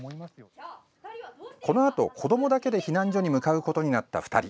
このあと、子どもだけで避難所に向かうことになった２人。